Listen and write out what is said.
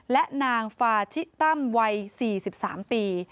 และนางฟาชิตั้มวัย๔๓ปี